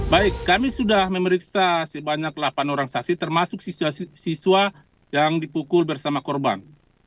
baik kami sudah memeriksa sebanyak delapan orang saksi termasuk siswa yang dipukul bersama korban